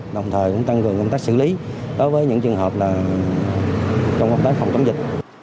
đồng thời cũng tăng cường công tác xử lý đối với những trường hợp trong công tác phòng chống dịch